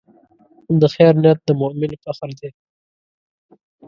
د خیر نیت د مؤمن فخر دی.